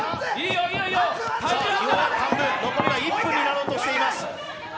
残り１分になろうとしています。